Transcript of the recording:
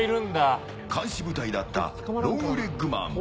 監視部隊だったロングレッグマン